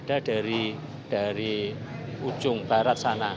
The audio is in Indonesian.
ada dari ujung barat sana